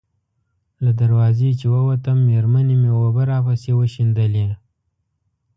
له دروازې چې ووتم، مېرمنې مې اوبه راپسې وشیندلې.